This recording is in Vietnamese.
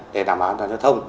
để đảm bảo an toàn giao thông